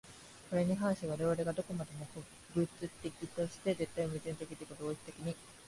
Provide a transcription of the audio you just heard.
これに反し我々が何処までも個物的として、絶対矛盾的自己同一的に、